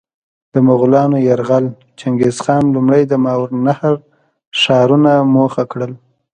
د مغولانو یرغل: چنګیزخان لومړی د ماورالنهر ښارونه موخه کړل.